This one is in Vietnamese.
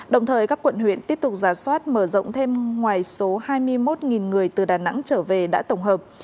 đồng thời các quận huyện tiếp tục giả soát mở rộng thêm ngoài số hai mươi một người từ đà nẵng trở về đã tổng hợp